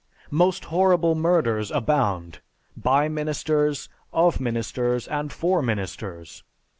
Most horrible murders abound, by ministers, of ministers, and for ministers.